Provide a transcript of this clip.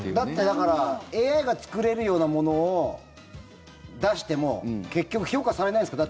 だから、ＡＩが作れるようなものを出しても結局、評価されないですから。